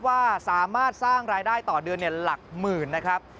ว่าสามารถสร้างรายได้ต่อเดือนหลักหมื่นนะครับ